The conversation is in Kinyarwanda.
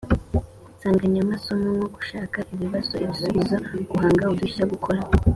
nsanganyamasomo nko gushakira ibibazo ibisubizo, guhanga udushya, gukora